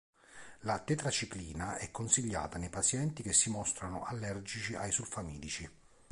La tetraciclina è consigliata nei pazienti che si mostrano allergici ai sulfamidici.